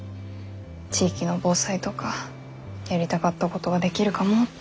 地域の防災とかやりたかったことができるかもって。